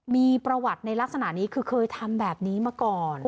มีประวัติในลักษณะนี้คือเคยทำแบบนี้มาก่อน